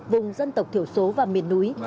vùng dân tộc thiểu số và miền núi